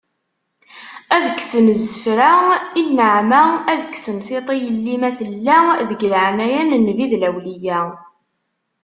Ad kksen zzefra i nneɛma, ad kksen tiṭ i yelli ma tella, deg laɛnaya n nnbi d lawliya.